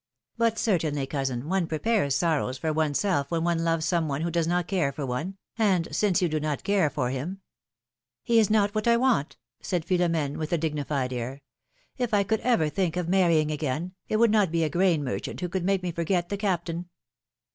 ^^But certainly, cousin, one prepares sorrows for one's self when one loves some one who does not care for one, and since you do not care for him —" He is not what I want," said Philom^ne, with a dig nified air; ^^if I could ever think of marrying again, it would not be a grain merchant who could make me forget the Captain."